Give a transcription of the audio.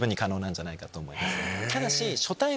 ただし。